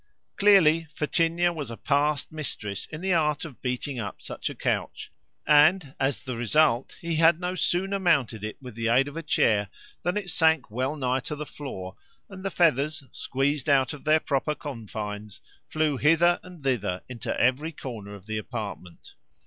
Clearly Fetinia was a past mistress in the art of beating up such a couch, and, as the result, he had no sooner mounted it with the aid of a chair than it sank well nigh to the floor, and the feathers, squeezed out of their proper confines, flew hither and thither into every corner of the apartment.